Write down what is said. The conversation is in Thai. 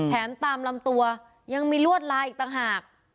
แถมตามลำตัวยังมีลวดลายอีกต่างหาก